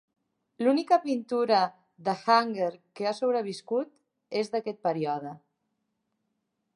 L'única pintura de Hanger que ha sobreviscut és d'aquest període.